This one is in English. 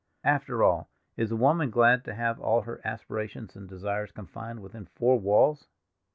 After all, is a woman glad to have all her aspirations and desires confined within four walls?